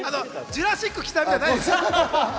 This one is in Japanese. ジュラシックじゃないんですから。